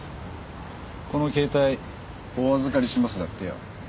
「この携帯お預かりします」だってよ。